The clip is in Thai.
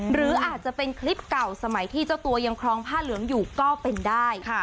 หรืออาจจะเป็นคลิปเก่าสมัยที่เจ้าตัวยังครองผ้าเหลืองอยู่ก็เป็นได้